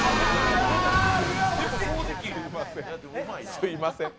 すいません。